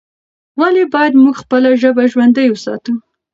ولې باید موږ خپله ژبه ژوندۍ وساتو؟